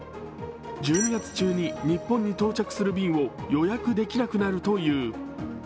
１２月中に日本に到着する便は予約できなくなるという。